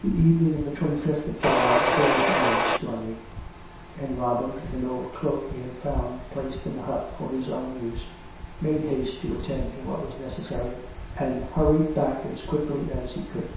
The evening of the twenty fifth of July closed in stormy ; and Robin, in an old cloak he had found placed in the hut for his own use, made haste to attend to what was neces sary, and hurried back as quickly as he could.